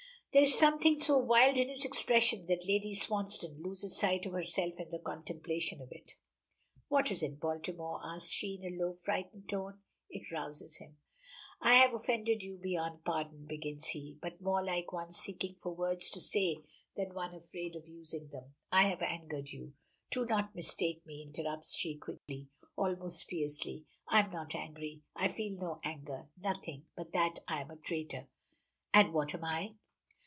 There is something so wild in his expression that Lady Swansdown loses sight of herself in the contemplation of it. "What is it, Baltimore?" asks she, in a low, frightened tone. It rouses him. "I have offended you beyond pardon," begins he, but more like one seeking for words to say than one afraid of using them. "I have angered you " "Do not mistake me," interrupts she quickly, almost fiercely. "I am not angry. I feel no anger nothing but that I am a traitor." "And what am I?"